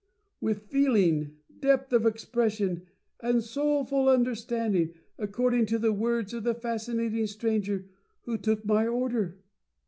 with feeling, depth of expression, and soulful understanding, ac cording to the words of the Fascinating Stranger who took my order."